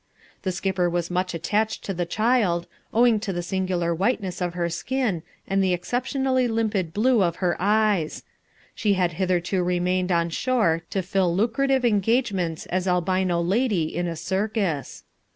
The skipper was much attached to the child, owing to the singular whiteness of her skin and the exceptionally limpid blue of her eyes; she had hitherto remained on shore to fill lucrative engagements as albino lady in a circus.